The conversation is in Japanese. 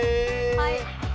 はい！